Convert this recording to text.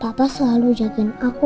papa selalu jagain aku